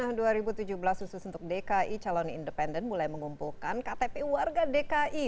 khusus untuk dki calon independen mulai mengumpulkan ktp warga dki